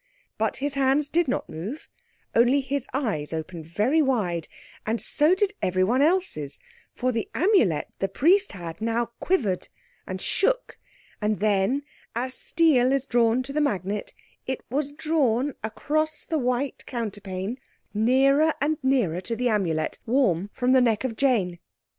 But his hands did not move, only his eyes opened very wide, and so did everyone else's for the Amulet the Priest had now quivered and shook; and then, as steel is drawn to the magnet, it was drawn across the white counterpane, nearer and nearer to the Amulet, warm from the neck of Jane.